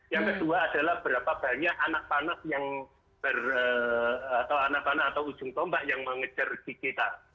yang kedua adalah berapa banyak anak panas atau ujung tombak yang mengejar di kita